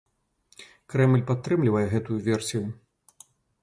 Крэмль падтрымлівае гэтую версію.